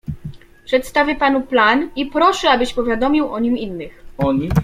"Przedstawię panu plan i proszę, abyś o nim powiadomił innych."